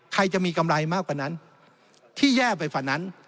ใครจะมีกำไรมากกว่านั้นที่แย่ไปกว่านั้น